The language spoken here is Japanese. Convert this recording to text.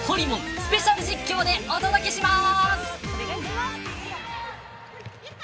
スペシャル実況でお届けします。